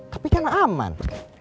tapi kan aman